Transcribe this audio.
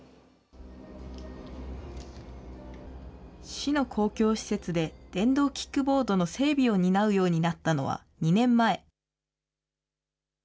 市の公共施設で電動キックボードの整備を担うようになったのは２年前。